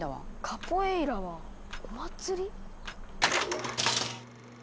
カポエイラはお祭り？